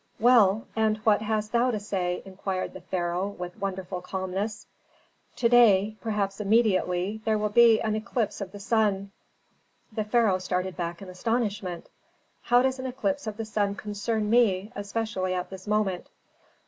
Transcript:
"Well, and what hast thou to say?" inquired the pharaoh, with wonderful calmness. "To day, perhaps immediately, there will be an eclipse of the sun." The pharaoh started back in astonishment. "How does an eclipse of the sun concern me, especially at this moment?"